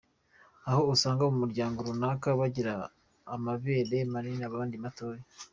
Aho usanga mu muryango runaka bagira amabere manini, abandi matoya.